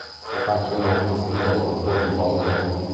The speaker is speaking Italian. Si affaccia inoltre sul Golfo di Botnia.